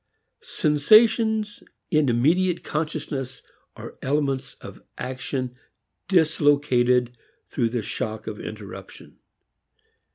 Sensations in immediate consciousness are elements of action dislocated through the shock of interruption.